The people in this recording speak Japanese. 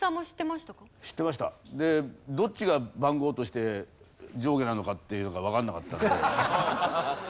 どっちが番号として上下なのかっていうのがわかんなかったんで。